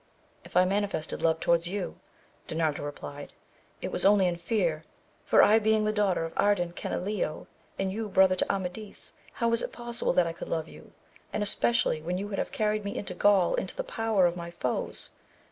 If I manifested love towards you, Dinarda replied, it was only in fear, for I being the daughter of Ardan Canileo, and you brother to AmaJia, how is it possible that I could love you ? and • especially when you would have carried me into Gaul, into the power of my foes